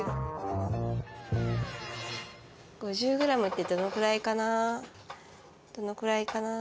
５０ｇってどのくらいかな？